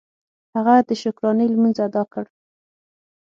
هغه د شکرانې لمونځ ادا کړ.